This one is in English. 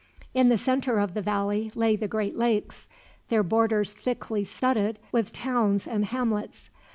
In the center of the valley lay the great lakes, their borders thickly studded with towns and hamlets.